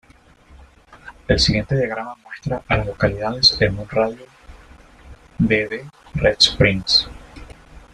El siguiente diagrama muestra a las localidades en un radio de de Red Springs.